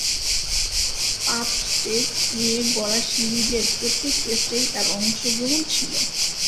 পাঁচ-টেস্ট নিয়ে গড়া সিরিজের প্রত্যেক টেস্টেই তার অংশগ্রহণ ছিল।